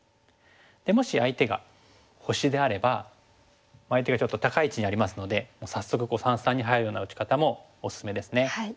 でもし相手が星であれば相手がちょっと高い位置にありますので早速三々に入るような打ち方もおすすめですね。